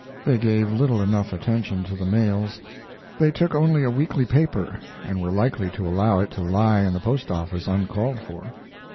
They gave little enough attention to the mails. They took only a weekly paper, and were likely to allow it to lie in the postoffice uncalled for.